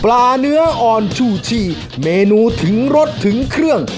เนื้ออ่อนชูชี่เมนูถึงรสถึงเครื่อง